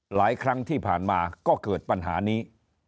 หลายครั้งที่ผ่านมาก็เกิดปัญหานี้